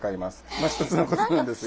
まあ一つのコツなんですが。